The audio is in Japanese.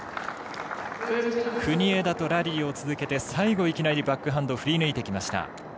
国枝とラリーを続けて最後、いきなりバックハンド振りぬいていきました。